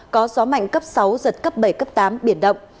có gió mạnh cấp sáu giật cấp bảy cấp tám biển động